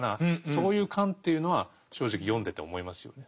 そういう感というのは正直読んでて思いますよね。